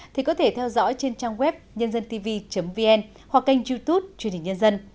thì có thể theo dõi trên trang web nhândântv vn hoặc kênh youtube truyền hình nhân dân